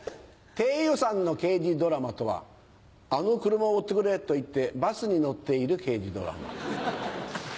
低予算の刑事ドラマとは「あの車を追ってくれ」と言ってバスに乗っている刑事ドラマ。